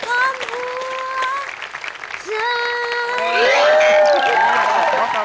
ตกลงของคุณ